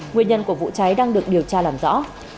nguyên nhân của vụ cháy đang được điều tra làm rõ